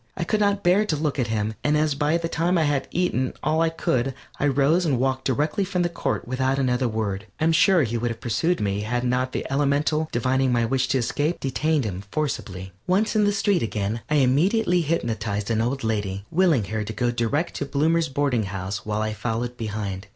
I could not bear to look at him, and as by that time I had eaten all I could, I rose and walked directly from the court without another word. I am sure he would have pursued me had not the elemental, divining my wish to escape, detained him forcibly. Once in the street again, I immediately hypnotized an old lady, willing her to go direct to Bloomer's Boarding House while I followed behind.